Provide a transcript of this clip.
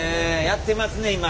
やってますね今！